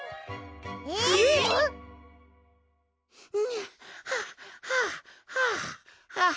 んはあはあはあはあ。